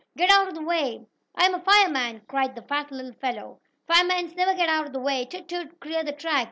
Get out of the way!" "I'm a fireman!" cried the fat little fellow. "Firemans never get out of the way! Toot! Toot! Clear the track!